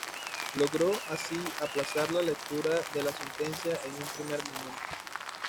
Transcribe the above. Logró así aplazar la lectura de la sentencia en un primer momento.